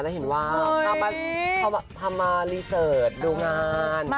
แล้วเห็นว่าเขาทำมารีเสิร์ตดูงาน